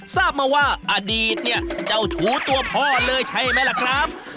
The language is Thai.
ทราบมาว่าอดีตเนี่ยเจ้าชูตัวพ่อเลยใช่ไหมล่ะครับ